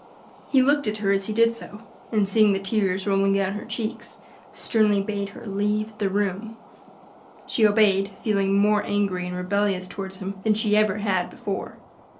He looked at her as he did so, and seeing the tears rolling down her cheeks, sternly bade her leave the room, She obeyed, feeling more angry and rebellious toward him than she ever had before.